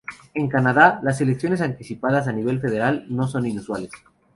En Canadá, las elecciones anticipadas a nivel federal no son inusuales.